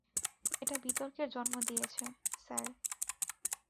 এটা বিতর্কের জন্ম দিয়েছে, স্যার।